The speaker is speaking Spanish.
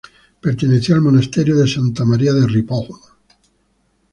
Perteneció al monasterio de Santa María de Ripoll.